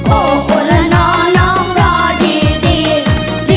โอ้โหละน้อน้องรอดี